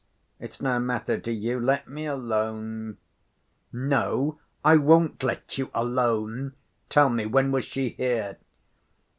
It's no matter to you. Let me alone." "No, I won't let you alone. Tell me, when was she here?"